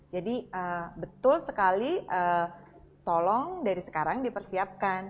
jadi betul sekali tolong dari sekarang dipersiapkan